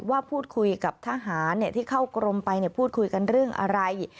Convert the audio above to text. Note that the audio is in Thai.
ว่าพูดคุยกับทหารที่เข้ากรมไปพูดคุยกันเรื่องอะไร